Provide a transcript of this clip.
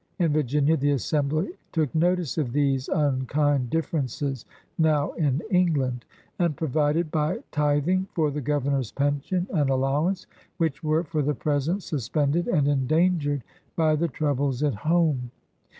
Li Virginia the Assembly took notice of these "im kind differences now in England," and provided by tithing for the Governor's pension and allow ance, which were for the present suspended and endangered by the troubles at home.